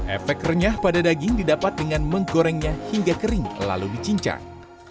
efek renyah pada daging didapat dengan menggorengnya hingga kering lalu dicincang